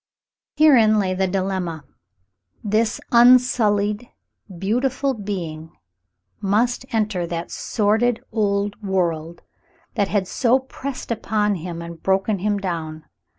Herein lay the dilemma. This unsullied, beautiful being must enter that sordid old world, that had so pressed upon him and broken him down.